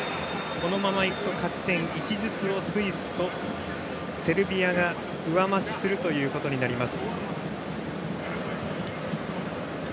このままいくと勝ち点１ずつをスイスとセルビアが上増しすることになります。